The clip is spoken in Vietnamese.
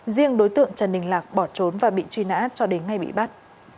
riêng đối tượng trần đình lạc bỏ trốn và bị truy nã cho đến ngày bị bắt